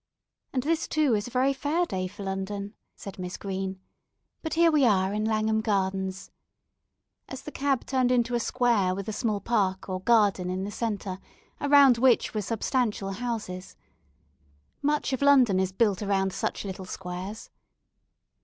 "And this, too, is a very fair day for London," said Miss Green, "but here we are in Langham Gardens," as the cab turned into a square with a small park, or garden, in the centre, around which were substantial houses. Much of London is built around such little squares.